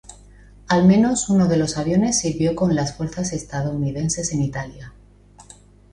Al menos uno de los aviones sirvió con las fuerzas estadounidenses en Italia.